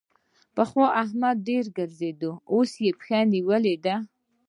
پخوا احمد ډېر راګرځېد؛ اوس يې پښه نيولې ده.